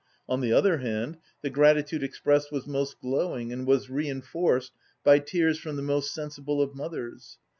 On the other hand, the gratitude expressed was most glowing and was reinforced by tears from the most sensible of mothers.